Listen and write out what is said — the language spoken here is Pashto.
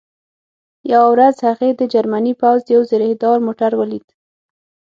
یوه ورځ هغې د جرمني پوځ یو زرهدار موټر ولید